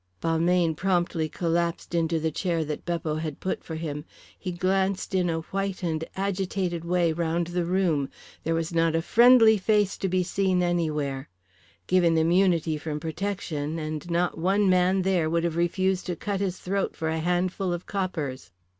Balmayne promptly collapsed into the chair that Beppo had put for him. He glanced in a white and agitated way round the room. There was not a friendly face to be seen anywhere. Given immunity from protection, and not one man there would have refused to cut his throat for a handful of coppers.